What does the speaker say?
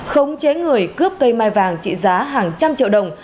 khống chế người cướp cây mai vàng trị giá hàng trăm triệu đồng